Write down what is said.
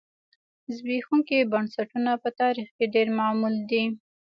زبېښونکي بنسټونه په تاریخ کې ډېر معمول دي